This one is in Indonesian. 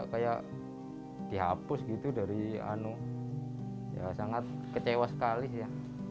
kayak dihapus gitu dari ya sangat kecewa sekali sih